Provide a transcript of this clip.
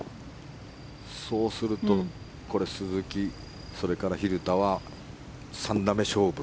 そうするとこれ、鈴木、それから蛭田は３打目勝負。